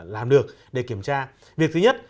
làm được để kiểm tra việc thứ nhất